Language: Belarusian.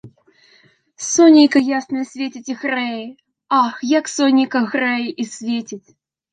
Сонейка яснае свеціць і грэе, ах, як сонейка грэе і свеціць!